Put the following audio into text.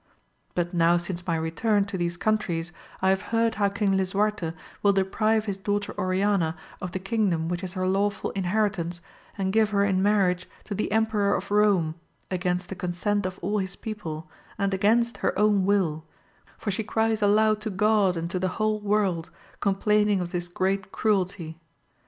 But now since my return to these countries I have heard how King Lisuarte will deprive his daughter Oriana of the king dom which is her lawful inheritance, and give her in marriage to the Emperor of Rome, against the consent of all his people, and against her own will, for she cries aloud to God and to the whole world, complain ing of this great cruelty.